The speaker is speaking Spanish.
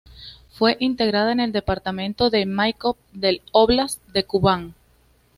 Fue integrada en el departamento de Maikop del óblast de Kubán.